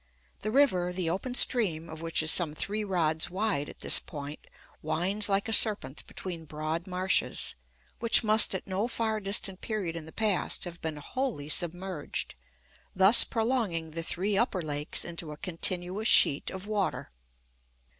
The river, the open stream of which is some three rods wide at this point, winds like a serpent between broad marshes, which must at no far distant period in the past have been wholly submerged, thus prolonging the three upper lakes into a continuous sheet of water.